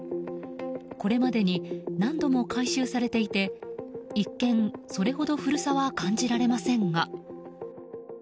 これまでに何度も改修されていて一見それほど古さは感じられませんが。